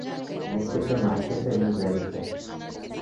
En este tema hay que ser muy realistas.